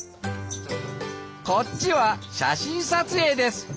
こっちは写真撮影です。